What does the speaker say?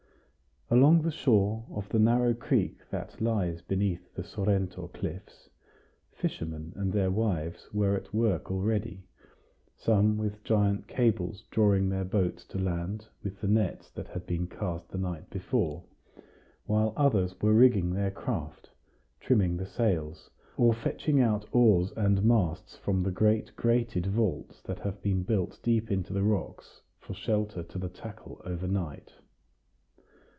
Along the shore of the narrow creek that lies beneath the Sorrento cliffs, fishermen and their wives were at work already, some with giant cables drawing their boats to land, with the nets that had been cast the night before, while others were rigging their craft, trimming the sails, or fetching out oars and masts from the great grated vaults that have been built deep into the rocks for shelter to the tackle overnight.